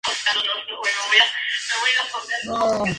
La investigación duró menos de un año.